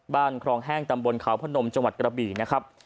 บ้านคลองแห้งตำบลเขาพ่อนมดิ์จกระบี่นะครับ